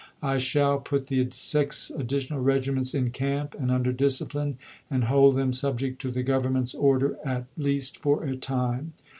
I shall put the six additional regiments in camp and under discipline, and hold them subject to the Grovern ment's order at least for a time."